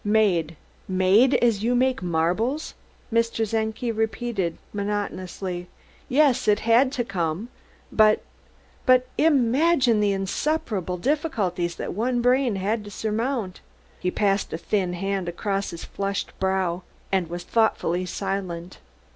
"Made, made made as you make marbles," Mr. Czenki repeated monotonously. "Yes, it had to come, but but imagine the insuperable difficulties that one brain had to surmount!" He passed a thin hand across his flushed brow, and was thoughtfully silent.